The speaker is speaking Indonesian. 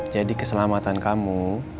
jadi keselamatan kamu